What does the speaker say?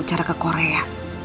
cara ke korea